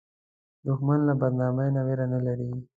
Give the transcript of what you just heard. دښمن له بدنامۍ نه ویره نه لري